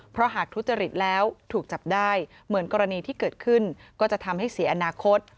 เพราะหากทุจริตแล้วถูกจับได้เหมือนกรณีที่เกิดขึ้นก็จะทำให้เสียอนาคต